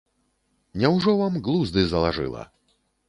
Няўжо вам глузды залажыла.